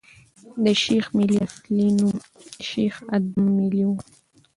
د شېخ ملي اصلي نوم شېخ ادم ملي ؤ.